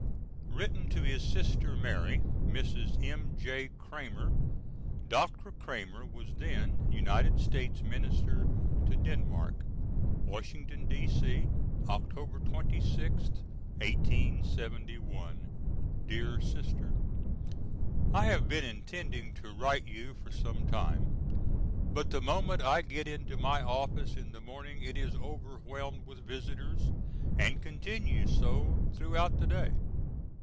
[Written to his sister Mary, Mrs. M.J. Cramer. Dr. Cramer was then United States Minister to Denmark.] Washington, D.C., Oct. 26th, 1871. DEAR SISTER: I have been intending to write you for some time; but the moment I get into my office in the morning it is overwhelmed with visitors, and continues so throughout the day.